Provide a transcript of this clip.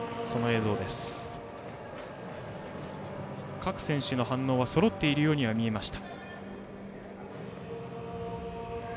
各選手の反応はそろっているように見えました。